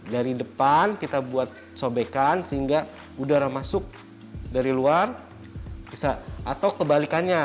dari depan kita buat sobekan sehingga udara masuk dari luar atau kebalikannya